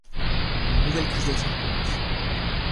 Une nouvelle crise laitière commence.